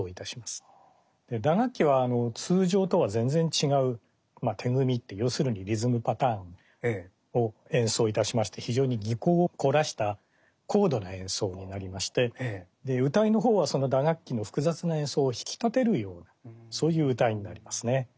打楽器は通常とは全然違う手組要するにリズムパターンを演奏いたしまして非常に技巧を凝らした高度な演奏になりまして謡の方はその打楽器の複雑な演奏を引き立てるようなそういう謡になりますね。